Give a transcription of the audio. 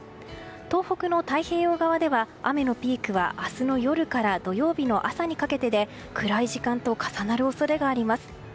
東北の太平洋側では雨のピークは明日の夜から土曜日の朝にかけてで暗い時間と重なる恐れがあります。